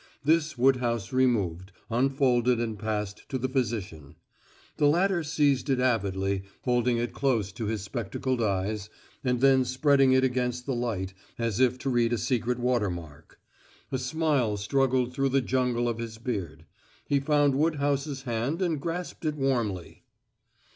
This Woodhouse removed, unfolded and passed to the physician. The latter seized it avidly, holding it close to his spectacled eyes, and then spreading it against the light as if to read a secret water mark. A smile struggled through the jungle of his beard. He found Woodhouse's hand and grasped it warmly.